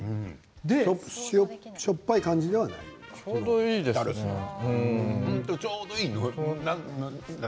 しょっぱい感じではちょうどいいね。